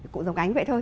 cũng giống anh vậy thôi